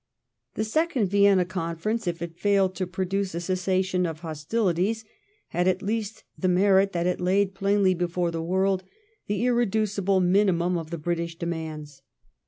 "* The second Vienna Conference, if it failed to produce a cessation of hostilities, had at least the merit that it. laid plainly before the world the irreducible minimum> of the British demands.